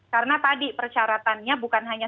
karena tadi persyaratannya bukan hanya